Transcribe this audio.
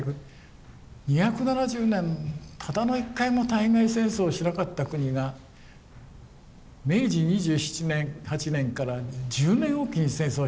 ２７０年ただの１回も対外戦争をしなかった国が明治２７年２８年から１０年おきに戦争をしたんですよ。